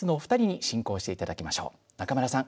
中村さん